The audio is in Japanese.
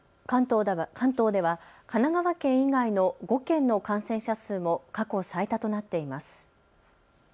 関東では神奈川県以外の５県の感染者数も過去最多となっています。